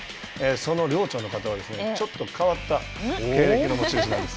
その寮長の方はちょっと変わった経歴の持ち主なんです。